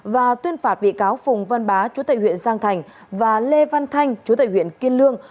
và tuyên phạt bị cáo phùng văn bá chủ tịch huyện giang thành và lê văn thanh chủ tịch huyện kiên lương